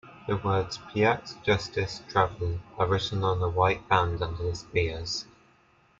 The words "Paix, Justice, Travail" are written on a white band under the spears.